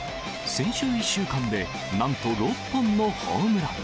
先週１週間で、なんと６本のホームラン。